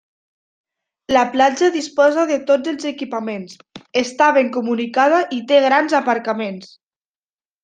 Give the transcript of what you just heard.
La platja disposa de tots els equipaments, està ben comunicada i té grans aparcaments.